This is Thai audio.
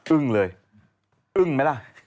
อึ้งเลยอึ้งไหมล่ะ